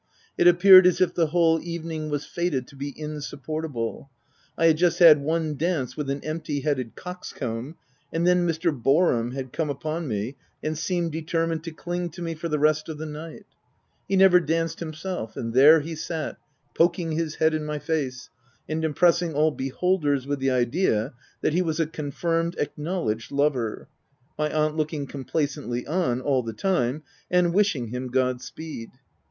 — It appeared as if the whole evening was fated to be insupportable : I had just had one dance with an empty headed coxcomb, and then Mr. Boarham had come upon me, and seemed determined to cling to me for the rest of the night. He never danced himself, and there he sat, poking his head in my face, and impressing all beholders with the idea that he was a confirmed, acknowledged lover ; my aunt looking complacently on, all the time, and wishing him God speed.